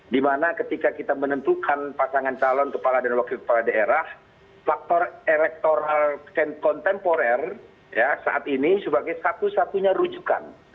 dimana ketika kita menentukan pasangan calon kepala dan wakil kepala daerah faktor elektoral kontemporer saat ini sebagai satu satunya rujukan